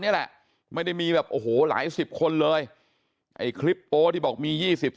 เนี่ยแหละไม่ได้มีแบบโอ้หูหลาย๑๐คนเลยไอ้คลิปโอ้ที่บอกมี